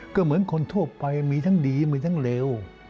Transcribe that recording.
ก็เหมือนคนทั่วไปมีทั้งดีมีทั้งเลว